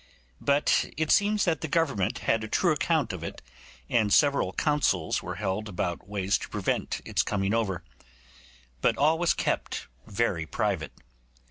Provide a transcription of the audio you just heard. But it seems that the Government had a true account of it, and several councils were held about ways to prevent its coming over; but all was kept very private.